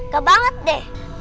gak banget deh